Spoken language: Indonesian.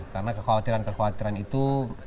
karena kekhawatiran kekhawatiran itu